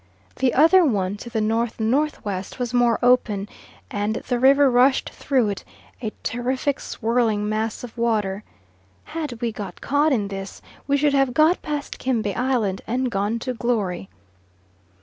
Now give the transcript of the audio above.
The other one to the N.N.W. was more open, and the river rushed through it, a terrific, swirling mass of water. Had we got caught in this, we should have got past Kembe Island, and gone to Glory.